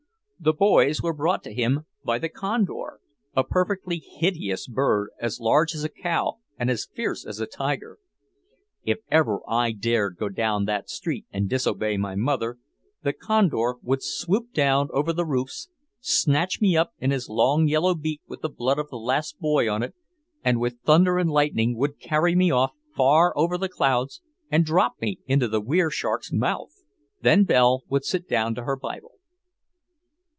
The boys were brought to him by the "Condor," a perfectly hideous bird as large as a cow and as fierce as a tiger. If ever I dared go down that street and disobey my mother, the Condor would "swoop" down over the roofs, snatch me up in his long yellow beak with the blood of the last boy on it, and with thunder and lightning would carry me off far over the clouds and drop me into the Were shark's mouth. Then Belle would sit down to her Bible.